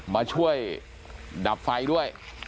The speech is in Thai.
มาช่วยดับไฟด้วย